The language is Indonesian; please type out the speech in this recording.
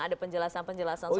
ada penjelasan penjelasan soal